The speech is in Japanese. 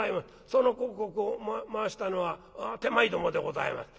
その広告を回したのは手前どもでございます」。